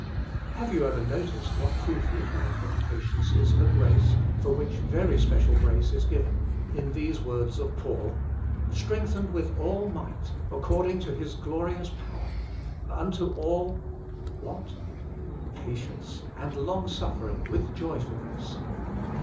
Have you ever noticed what proof we have that patience is a grace for which very special grace is given, in these words of Paul : 'Strengthened with all mighty according to His glorious power ^ unto all '— what ?* patience and long suffering with joy fulness.